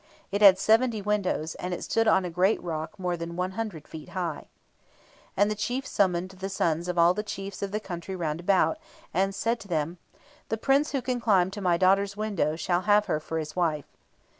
It had seventy windows, and it stood on a great rock more than 100 feet high. And the chief summoned the sons of all the chiefs of the country round about, and said to them, "The Prince who can climb to my daughter's window shall have her for his wife."